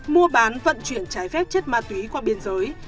mua bán vận chuyển trái phép chất ma túy qua biên giới